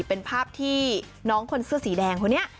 เป็นภาพที่น้องคนเสื้อสีแดงคนนี้